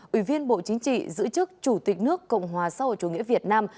ủy viên bộ chính trị giữ chức chủ tịch nước cộng hòa xã hội chủ nghĩa việt nam